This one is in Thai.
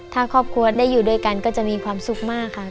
ถ้าครอบครัวได้อยู่ด้วยกันก็จะมีความสุขมากค่ะ